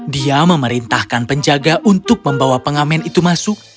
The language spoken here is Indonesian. dia memerintahkan penjaga untuk membawa pengamen itu masuk